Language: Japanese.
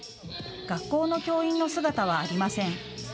学校の教員の姿はありません。